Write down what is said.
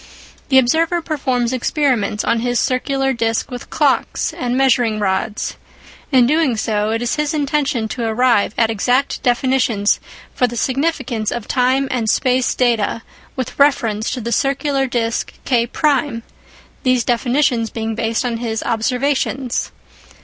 The observer performs experiments on his circular disc with clocks and measuring rods. In doing so, it is his intention to arrive at exact definitions for the signification of time and space data with reference to the circular disc K1, these definitions being based on his observations.